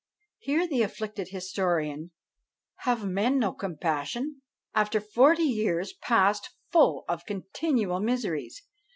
Hear the afflicted historian: "Have men no compassion, after forty years passed full of continual miseries?